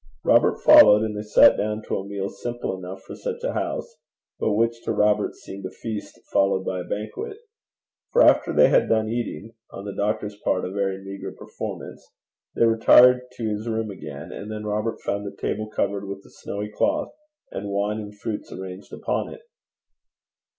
Robert followed, and they sat down to a meal simple enough for such a house, but which to Robert seemed a feast followed by a banquet. For after they had done eating on the doctor's part a very meagre performance they retired to his room again, and then Robert found the table covered with a snowy cloth, and wine and fruits arranged upon it.